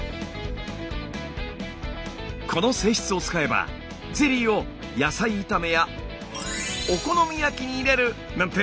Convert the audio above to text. この性質を使えばゼリーを野菜炒めやお好み焼きに入れる！なんて